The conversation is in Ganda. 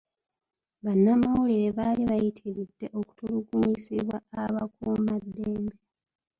Bannamawulire baali bayitiredde okutulugunyizibwa abakuumaddembe.